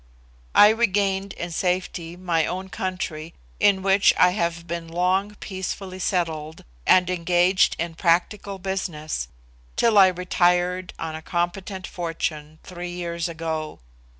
I regained in safety my own country, in which I have been long peacefully settled, and engaged in practical business, till I retired on a competent fortune, three years ago.